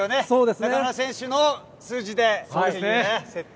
中村選手の数字で設定。